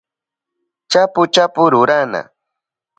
chapu chapu rurana